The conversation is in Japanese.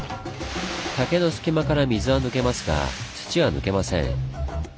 竹の隙間から水は抜けますが土は抜けません。